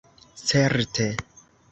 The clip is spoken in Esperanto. certe